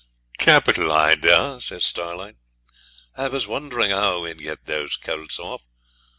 'Capital idea,' says Starlight; 'I was wondering how we'd get those colts off.